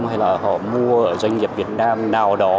hay là họ mua ở doanh nghiệp việt nam nào đó